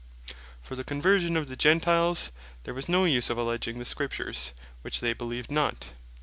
For the Conversion of the Gentiles, there was no use of alledging the Scriptures, which they beleeved not.